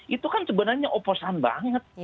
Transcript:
itu kan sebenarnya oposan banget